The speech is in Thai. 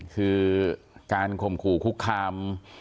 คือการข่มขู่คุกคาม